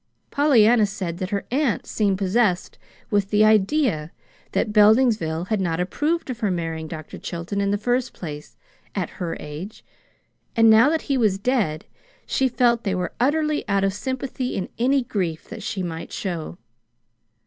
Pollyanna said that her aunt seemed possessed with the idea that Beldingsville had not approved of her marrying Dr. Chilton in the first place, at her age; and now that he was dead, she felt that they were utterly out of sympathy in any grief that she might show.